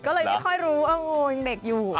ก็เลยไม่ค่อยรู้ว่าโอ้ยังเด็กอยู่